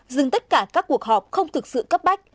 dừng tất cả các cuộc họp không thực sự cấp bách